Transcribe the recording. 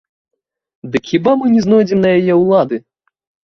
Дык хіба мы не знойдзем на яе ўлады?